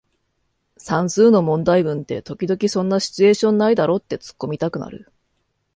算数の問題文って時々そんなシチュエーションないだろってツッコミたくなる